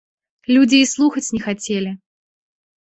Людзі і слухаць не хацелі.